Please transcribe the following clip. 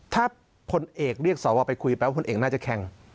ถ้าพลเอกเรียกสวไปคุยแปลว่าพลเอกน่าจะแข่ง